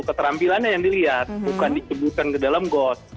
keterampilannya yang dilihat bukan disebutkan ke dalam got